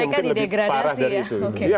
jadi parah dari itu